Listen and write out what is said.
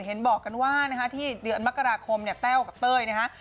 เห็นบอกกันว่านะคะที่เดือนมกราคมเนี่ยแต้วกับเต้ยนะฮะ